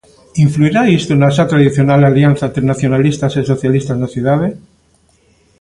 Influirá isto na xa tradicional alianza entre nacionalistas e socialistas na cidade?